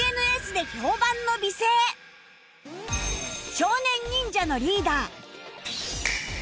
少年忍者のリーダー